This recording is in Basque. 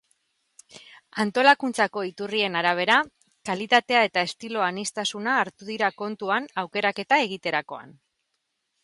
Antolakuntzako iturrien arabera, kalitatea eta estilo aniztasuna hartu dira kontuan aukeraketa egiterakoan.